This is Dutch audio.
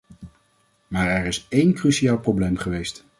Maar er is één cruciaal probleem geweest.